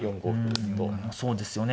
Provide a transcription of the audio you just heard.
うんそうですよね。